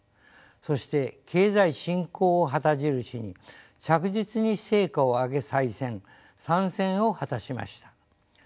そして経済振興を旗印に着実に成果を上げ再選３選を果たしました。